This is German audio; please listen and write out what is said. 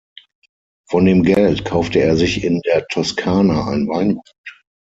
Von dem Geld kaufte er sich in der Toskana ein Weingut.